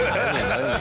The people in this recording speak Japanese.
何？